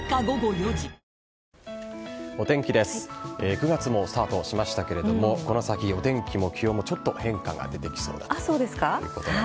９月もスタートしましたがこの先、お天気も気温もちょっと変化が出てきそうです。